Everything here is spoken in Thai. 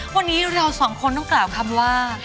วันนี้เราสองคนต้องกล่าวคำว่า